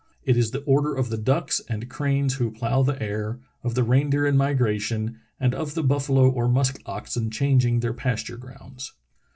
It is the order of the ducks and cranes who plough the air, of the reindeer in migration, and of the buffalo or musk oxen changing their pasture grounds."